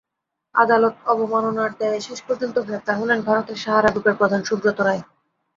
আদালত অবমাননার দায়ে শেষ পর্যন্ত গ্রেপ্তার হলেন ভারতের সাহারা গ্রুপের প্রধান সুব্রত রায়।